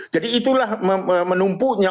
jadi itulah menumpunya